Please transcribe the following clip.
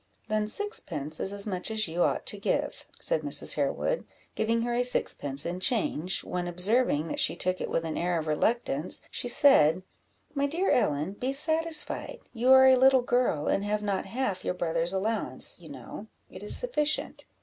"Then sixpence is as much as you ought to give," said Mrs. Harewood, giving her a sixpence in change, when, observing that she took it with an air of reluctance, she said "My dear Ellen, be satisfied; you are a little girl, and have not half your brother's allowance, you know it is sufficient."